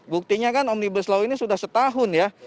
buktinya kan omnibus law ini sudah setahun ya